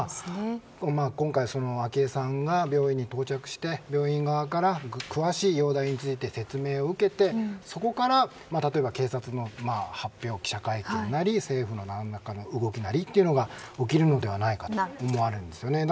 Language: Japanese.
今回、昭恵さんが病院に到着して病院側から詳しい容体について説明を受けて、そこから例えば警察の発表記者会見なり政府の何らかの動きなりというのが起きるのではないかと思われるんですよね。